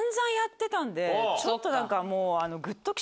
ちょっと何かもう。